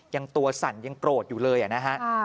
ยังตัวสั่นยังโกรธอยู่เลยนะฮะ